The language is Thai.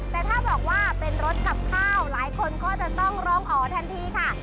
แต่ถ้าบอกว่าเป็นรถกับข้าวหลายคนก็จะต้องร้องอ๋อทันทีค่ะ